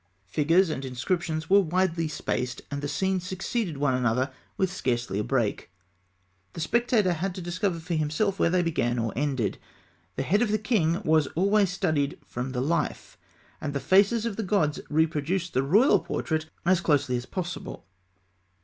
Figures and inscriptions were widely spaced, and the scenes succeeded one another with scarcely a break. The spectator had to discover for himself where they began or ended. The head of the king was always studied from the life, and the faces of the gods reproduced the royal portrait as closely as possible.